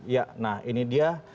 ya nah ini dia